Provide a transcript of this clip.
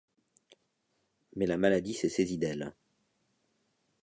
Mais la maladie s’est saisie d’elle.